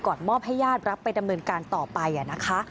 มอบให้ญาติรับไปดำเนินการต่อไปนะคะ